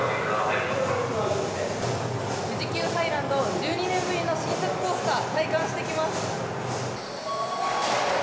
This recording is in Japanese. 富士急ハイランド１２年ぶりの新作コースター体感してきます。